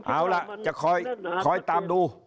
เอาล่ะจะคอยตามดู